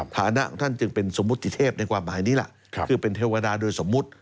ฐานะของท่านจึงเป็นสมมุติเทพในความหมายนี้ล่ะคือเป็นเทวดาโดยสมมุติ